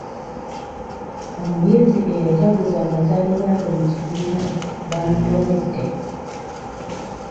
Omuyizi eyajaguza amazaalibwa ge mu kibiina baamutomedde.